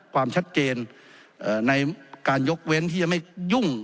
ความชัดเจนในการยกเว้นที่จะไม่ยุ่ง